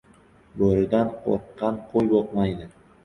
• Bo‘ridan qo‘rqqan qo‘y boqmaydi.